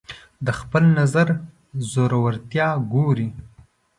د خپل نظر زورورتیا ګوري